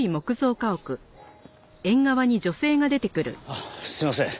あっすいません。